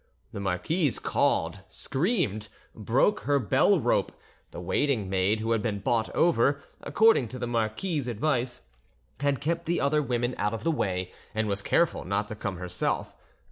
The marquise called, screamed, broke her bell rope; the waiting maid, who had been bought over, according to the marquis's advice, had kept the other women out of the way, and was careful not to come herself.